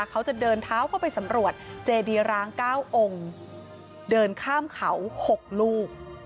เขาจะเดินเท้าเข้าไปสำรวจเจดีร้าง๙องค์เดินข้ามเขา๖ลูก